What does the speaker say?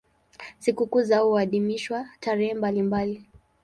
Sikukuu zao huadhimishwa tarehe mbalimbali.